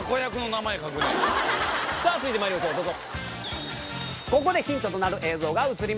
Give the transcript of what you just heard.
続いてまいりましょうどうぞ。